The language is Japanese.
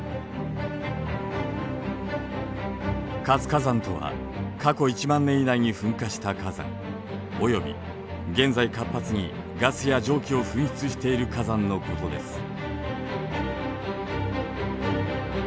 活火山とは過去１万年以内に噴火した火山および現在活発にガスや蒸気を噴出している火山のことです。